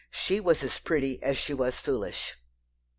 She was as pretty as she was foolish.